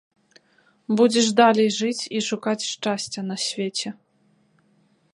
Будзеш далей жыць і шукаць шчасця на свеце.